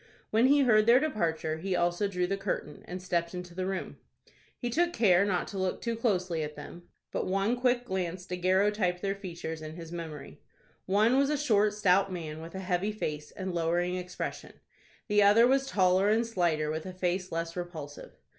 When he heard their departure, he also drew the curtain, and stepped into the room. He took care not to look too closely at them, but one quick glance daguerreotyped their features in his memory. One was a short, stout man, with a heavy face and lowering expression; the other was taller and slighter, with a face less repulsive.